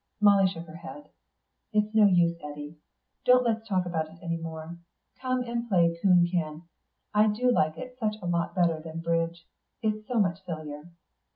Molly shook her head. "It's no use, Eddy. Don't let's talk about it any more. Come and play coon can; I do like it such a lot better than bridge; it's so much sillier."